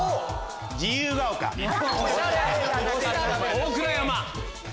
大倉山。